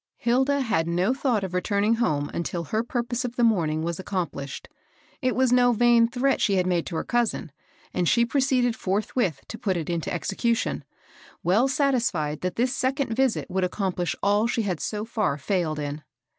ILDA had no thought of retoming home until her purpose of the mommg was ao complished. It was no vain threat she had made to her cousin, and she proceeded forthwith to put it into execution, well satisfied that this second visit would accom plish all she had so far failed in.